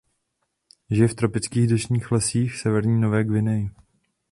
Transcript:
Žije v tropických deštných lesích severní Nové Guineji.